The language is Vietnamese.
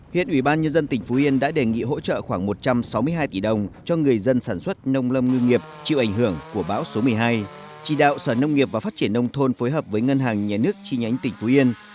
hiện ủy ban nhân dân tỉnh phú yên đã đề nghị hỗ trợ khoảng một trăm sáu mươi hai tỷ đồng cho người dân sản xuất nông lâm ngư nghiệp chịu ảnh hưởng của bão số một mươi hai chỉ đạo sở nông nghiệp và phát triển nông thôn phối hợp với ngân hàng nhà nước chi nhánh tỉnh phú yên